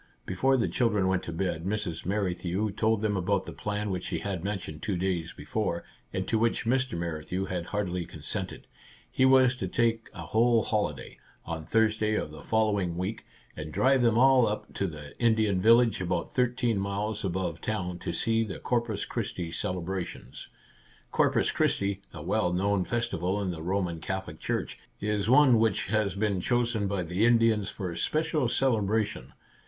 Before the children went to bed Mrs. Merri thew told them about the plan which she had mentioned two days before, and to which Mr. Merrithew had heartily consented. He was to take a whole holiday, on Thursday of the fol 32 Our Little Canadian Cousin lowing week, and drive them all up to the Indian Village, about thirteen miles above town, to see the Corpus Christi celebrations. Corpus Christi, a well known festival in the Roman Catholic Church, is one which has been chosen by the Indians for special celebra tion.